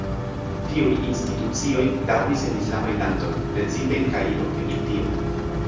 Tiuj institucioj daŭris en islamaj landoj, precipe en Kairo, Egiptio.